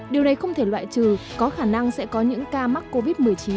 điều này không thể loại trừ có khả năng sẽ có những ca mắc covid một mươi chín